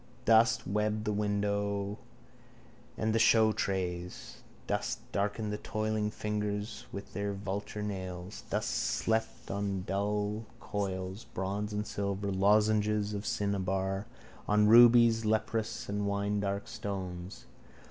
Dust webbed the window and the showtrays. Dust darkened the toiling fingers with their vulture nails. Dust slept on dull coils of bronze and silver, lozenges of cinnabar, on rubies, leprous and winedark stones.